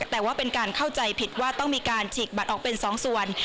แต่ว่าเป็นการเข้าใจผิดว่าต้องมีการฉีกบัตรออกเป็น๒ส่วน